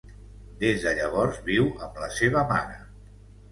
Des de llavors, viu amb la seva mare.